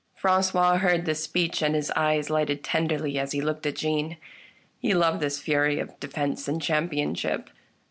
Francois heard this speech, and his eyes lighted ten derly as he looked at Jeanne : he loved this fury of defence and championship.